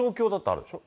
あるでしょ。